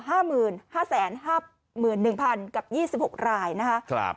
ห้าหมื่นห้าแสนห้าหมื่นหนึ่งพันกับยี่สิบหกรายนะคะครับ